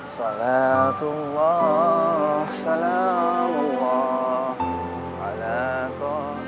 sholatullah sholamullah alaikum